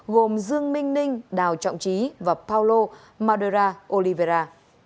gồm dương minh ninh đào trọng trí và paulo madura oliveira